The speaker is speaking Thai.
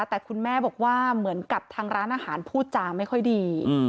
แต่คุณแม่บอกว่าเหมือนกับทางร้านอาหารพูดจาไม่ค่อยดี